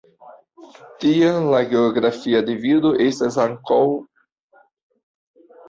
Tial la geografia divido estas ankaŭ politika divido.